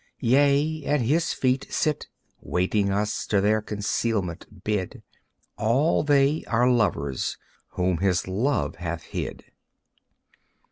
Yea, at His feet Sit, waiting us, to their concealment bid, All they, our lovers, whom His Love hath hid.